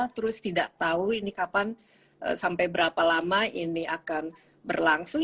terus tidak tahu ini kapan sampai berapa lama ini akan berlangsung